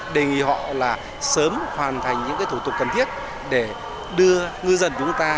đề nghị họ là sớm hoàn thành những thủ tục cần thiết để đưa ngư dân chúng ta